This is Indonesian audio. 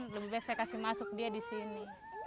lebih baik saya kasih masuk dia di sini